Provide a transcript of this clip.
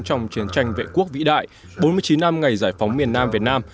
trong chiến tranh vệ quốc vĩ đại bốn mươi chín năm ngày giải phóng miền nam việt nam